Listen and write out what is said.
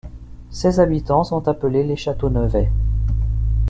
Ses habitants sont appelés les Châteaunevais.